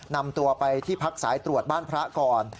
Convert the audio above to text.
นำตัวไปที่พักสายตรวจบ้านพระก่อน